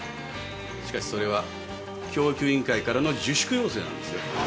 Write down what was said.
しかしそれは教育委員会からの自粛要請なんですよ。